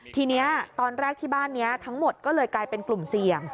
ทีนี้ตอนแรกที่บ้านนี้ทั้งหมดก็เลยกลายเป็นกลุ่มเสี่ยง